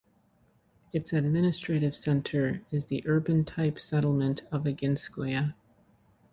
Its administrative center is the urban-type settlement of Aginskoye.